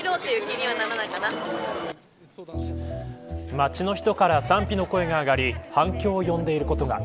街の人から賛否の声が上がり反響を呼んでいることが。